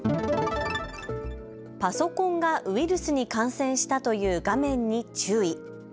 パソコンがウイルスに感染したという画面に注意。